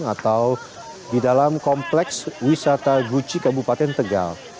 atau di dalam kompleks wisata guci kabupaten tegal